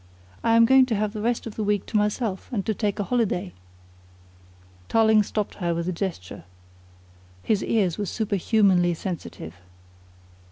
I am going to have the rest of the week to myself and to take a holiday." Tarling stopped her with a gesture. His ears were superhumanly sensitive.